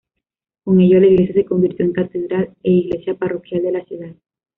Con ello la iglesia se convirtió en catedral e iglesia parroquial de la ciudad.